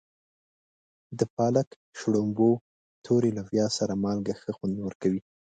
د پالک، شړومبو، تورې لوبیا سره مالګه ښه خوند ورکوي.